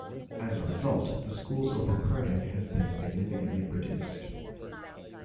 As a result, the school's overcrowding has been significantly reduced.